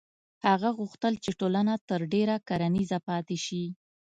هغه غوښتل چې ټولنه تر ډېره کرنیزه پاتې شي.